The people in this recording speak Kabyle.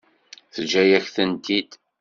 Teǧǧa-yak-tent-id.